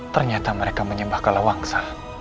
ternyata mereka menyembah bintang gusta'a